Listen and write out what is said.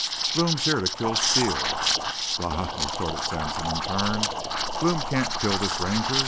"Blome's here to kill Steele." "Bah!" retorted Sampson in turn. "Blome can't kill this Ranger.